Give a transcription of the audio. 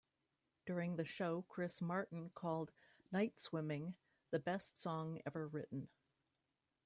During the show, Chris Martin called "Nightswimming" "the best song ever written.